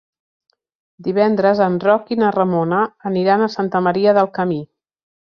Divendres en Roc i na Ramona aniran a Santa Maria del Camí.